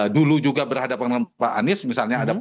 dulu juga berhadapan dengan pak anies misalnya